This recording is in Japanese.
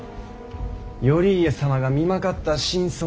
頼家様が身まかった真相